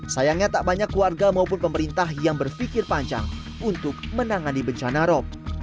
sayangnya tak banyak warga maupun pemerintah yang berpikir panjang untuk menangani bencana rop